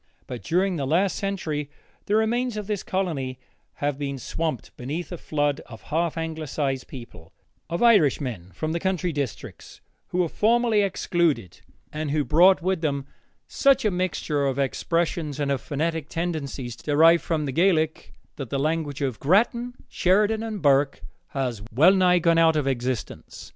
But during the last century the remains of this colony have been swamped beneath a flood of half Anglicized people, of Irishmen from the country districts, who were formerly excluded, and who brought with them such a mixture of expressions and of phonetic tendencies derived from the Gaelic that the language of Grattan, Sheridan, and Burke has well nigh gone out of existence.